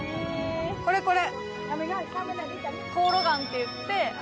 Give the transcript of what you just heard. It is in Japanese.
これこれ。